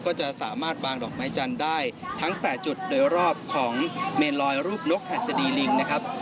ก็จะสามารถวางดอกไม้จันทร์ได้ทั้ง๘จุดโดยรอบของเมนลอยรูปนกหัสดีลิงนะครับ